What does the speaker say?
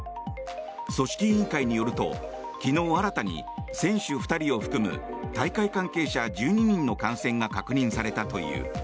組織委員会によると昨日新たに選手２人を含む大会関係者１２人の感染が確認されたという。